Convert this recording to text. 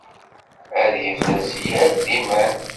ad yefres yal d iman.